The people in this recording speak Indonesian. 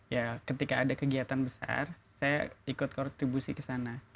ya ketika ada kegiatan besar saya ikut kontribusi ke sana